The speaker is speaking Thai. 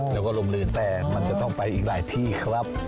แล้วก็ลมลืนแต่มันจะต้องไปอีกหลายที่ครับ